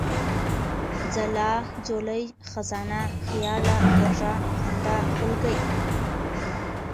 ځلا ، ځولۍ ، خزانه ، خياله ، خوږه ، خندا ، خولگۍ ،